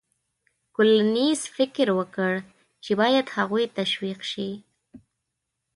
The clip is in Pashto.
کولینز فکر وکړ چې باید هغوی تشویق شي.